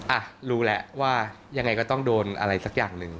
อ่ะรู้แล้วว่ายังไงก็ต้องโดนอะไรสักอย่างหนึ่ง